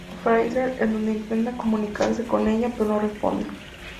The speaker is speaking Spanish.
Fraiser, en donde intentan comunicarse con ella, pero no responde.